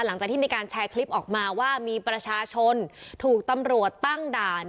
หลังจากที่มีการแชร์คลิปออกมาว่ามีประชาชนถูกตำรวจตั้งด่าน